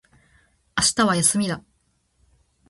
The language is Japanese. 明日は休みだ。